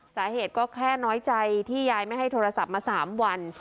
สาเหตุก็แค่น้อยใจที่ยายไม่ให้โทรศัพท์มา๓วัน